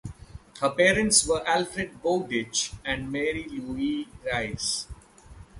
Her parents were Alfred Bowditch and Mary Louise Rice.